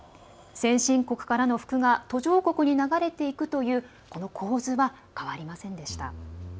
先進国からの服が途上国に流れていくというこの構図は、変わりませんでした。